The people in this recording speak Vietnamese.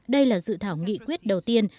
đây là dự thảo nghị quyết đầu tiên